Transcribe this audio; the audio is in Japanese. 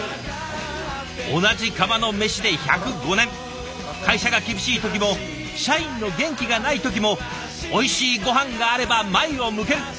同じ釜の飯で１０５年会社が厳しい時も社員の元気がない時もおいしいご飯があれば前を向ける。